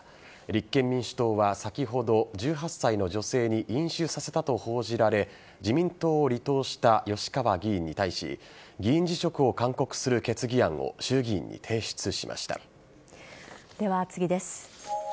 立憲民主党は先ほど１８歳の女性に飲酒させたと報じられ自民党を離党した吉川議員に対し議員辞職を勧告する決議案をでは、次です。